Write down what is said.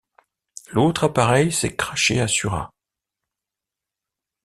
L'autre appareil s'est crashé à Surat.